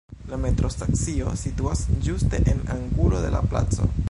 La metrostacio situas ĝuste en angulo de la placo.